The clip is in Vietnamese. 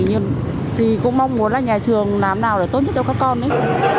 nhưng thì cũng mong muốn là nhà trường làm nào để tốt nhất cho các con ấy